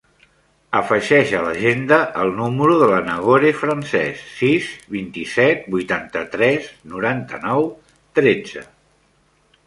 Afegeix a l'agenda el número de la Nagore Frances: sis, vint-i-set, vuitanta-tres, noranta-nou, tretze.